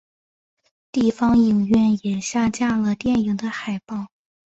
地方影院也下架了电影的海报。